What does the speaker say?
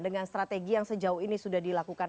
dengan strategi yang sejauh ini sudah dilakukan